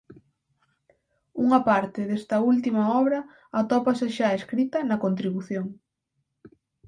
Unha parte desta última obra atópase xa escrita na "Contribución".